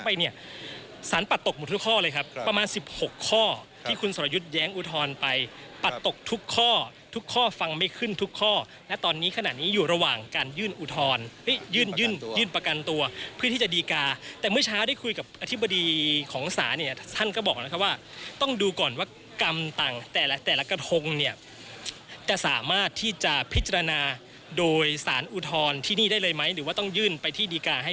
ประมาณสิบหกข้อที่คุณสรยุทธแย้งอุทธรณ์ไปปัดตกทุกข้อทุกข้อฟังไม่ขึ้นทุกข้อและตอนนี้ขนาดนี้อยู่ระหว่างการยื่นอุทธรณ์ยื่นยื่นยื่นประกันตัวเพื่อที่จะดีการ์แต่เมื่อเช้าได้คุยกับอธิบดีของสารเนี่ยท่านก็บอกนะครับว่าต้องดูก่อนว่ากรรมต่างแต่ละแต่ละกระทงเนี่ยจะสามารถที่จะพิ